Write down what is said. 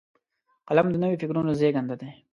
قلم د نوي فکرونو زیږنده دی